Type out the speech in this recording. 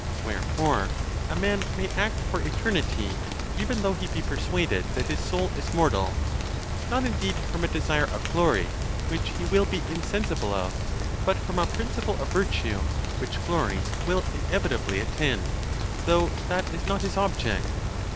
Wherefore a man may act for eternity, even though he be persuaded that his soul is mortal; not, in deed, from a desire of glory, which he will be insensible of, but from a principle of virtue, which glory will inevita bly attend, though that is not his object.